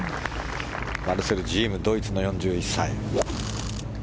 マルセル・ジームドイツの４１歳。